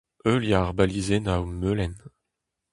Heuliañ ar balizennoù melen.